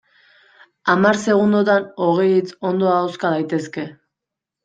Hamar segundotan hogei hitz ondo ahoska daitezke.